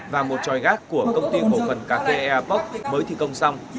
và một tròi gác của công ty cổ phần cà phê eapok mới thị công xong